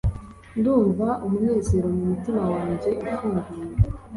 ndumva umunezero mumutima wanjye ufunguye.